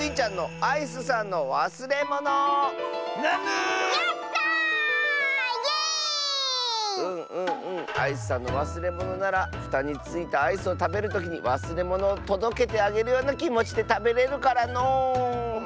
「アイスさんのわすれもの」ならふたについたアイスをたべるときにわすれものをとどけてあげるようなきもちでたべれるからのう。